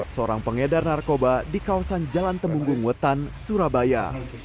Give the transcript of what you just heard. seorang pengedar narkoba di kawasan jalan temunggung wetan surabaya